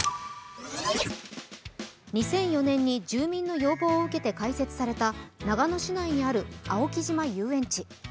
２００４年に住民の要望を受けて開設された長野市内にある青木島遊園地。